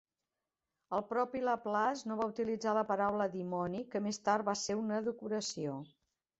El propi Laplace no va utilitzar la paraula "dimoni", que més tard va ser una decoració.